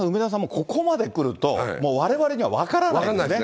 ここまでくるともうわれわれには分からないですね。